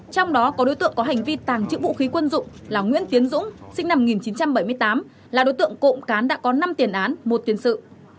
trong đó có đối tượng có hành vi tàng trữ vũ khí quân dụng là nguyễn tiến dũng sinh năm một nghìn chín trăm bảy mươi tám là đối tượng cộng cán đã có năm tiền án một tiền sự